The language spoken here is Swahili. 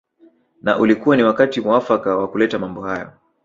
Na ulikuwa ni wakati muafaka wa kuleta mambo hayo